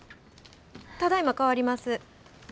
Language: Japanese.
ただいま代わります。